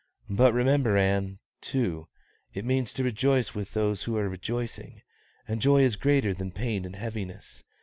But remember, Ann, too, it means to rejoice with those who are rejoicing; and joy is greater than pain and heaviness.